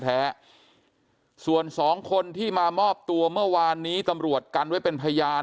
ส่วนสองคนที่มามอบตัวเมื่อวานนี้ตำรวจกันไว้เป็นพยาน